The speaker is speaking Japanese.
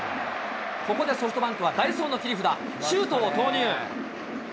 ここでソフトバンクは代走の切り札、周東を投入。